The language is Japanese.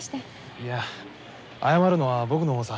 いや謝るのは僕の方さ。